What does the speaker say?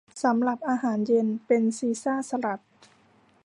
สำหรับอาหารเย็นเป็นซีซ่าสลัด